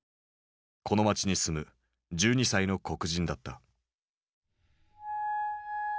この町に住む１２歳の黒人だった。